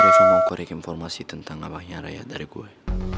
ini reva mau korek informasi tentang abahnya raya dari gue